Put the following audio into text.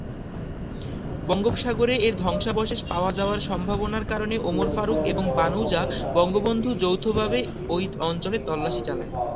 বঙ্গোপসাগরে এর ধ্বংসাবশেষ পাওয়া যাওয়ার সম্ভাবনার কারণে ওমর ফারুক এবং বানৌজা বঙ্গবন্ধু যৌথভাবে এই অঞ্চলে তল্লাশি চালায়।